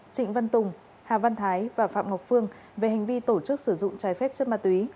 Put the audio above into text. trịnh văn tùng hà văn thái và phạm ngọc phương về hành vi tổ chức sử dụng trái phép chất ma túy